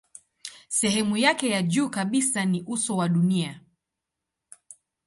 Sehemu yake ya juu kabisa ni uso wa dunia.